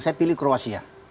saya pilih kroasia